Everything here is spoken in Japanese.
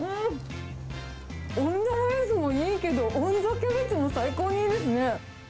オンザライスもいいけど、オンザキャベツも最高にいいですね。